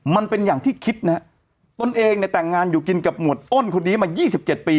มันเป็นอย่างที่คิดนะฮะตนเองเนี่ยแต่งงานอยู่กินกับหมวดอ้นคนนี้มา๒๗ปี